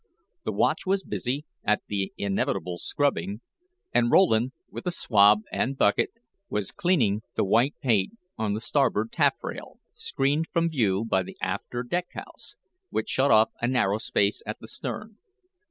The watch was busy at the inevitable scrubbing, and Rowland, with a swab and bucket, was cleaning the white paint on the starboard taffrail, screened from view by the after deck house, which shut off a narrow space at the stern.